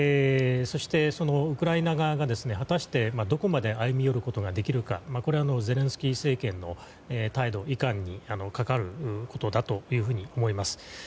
そして、ウクライナ側が果たして、どこまで歩み寄ることができるかこれはゼレンスキー政権の態度いかんにかかることだと思います。